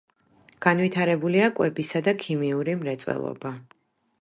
განვითარებულია კვებისა და ქიმიური მრეწველობა.